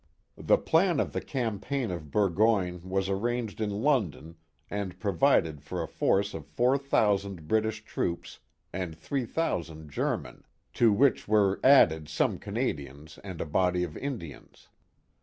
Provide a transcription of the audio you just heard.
The plan of the Campaign of Burgoyne was arranged in London and provided for a force of four thousand British troops and three thousand German, to which were added some 411 4" The Mohawk Valle)' Canadians and a body of Indians.